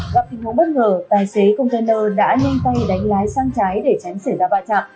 gặp tình huống bất ngờ tài xế container đã nhanh tay đánh lái sang trái để tránh xảy ra va chạm